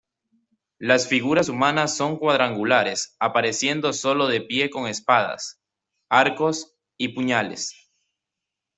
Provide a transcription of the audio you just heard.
Las figuras humanas son cuadrangulares apareciendo solo de pie con espadas, arcos y puñales.